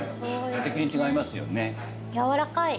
やわらかい。